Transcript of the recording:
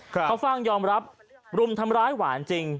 เขาฟ่างยอมรับรุมทำร้ายหวานจริง